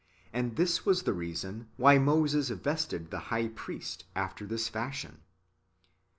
And this was the reason why Moses vested the high priest after this fashion.